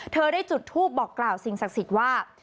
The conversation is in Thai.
เธอได้จุดทูปบอกกล่าวสิ่งศักดิ์สิทธิ์ว่า